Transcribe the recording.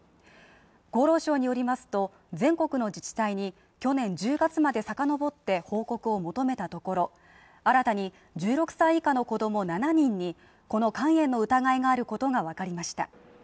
厚労省によりますと、全国の自治体に去年１０月までさかのぼって報告を求めたところ、新たに１６歳以下の子供７人に、この肝炎の疑いのあることが分かりました。